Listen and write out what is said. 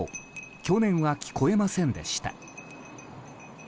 去年は聞こえませんでした。